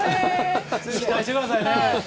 期待しててくださいね。